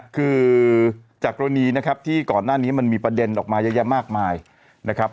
คือจากกรณีนะครับที่ก่อนหน้านี้มันมีประเด็นออกมาเยอะแยะมากมายนะครับ